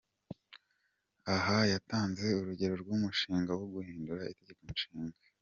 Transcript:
Aha, yatanze urugero rw’umushinga wo guhindura itegekonshinga.